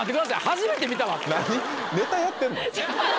初めて見たわ何？